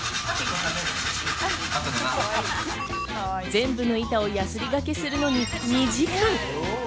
全部の板をやすりがけするのに２時間。